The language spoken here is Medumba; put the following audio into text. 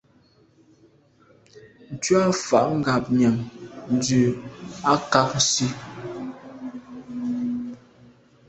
Ntshùa mfà ngabnyàm ndù a kag nsi,